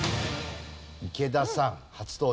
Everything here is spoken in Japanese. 池田さん初登場。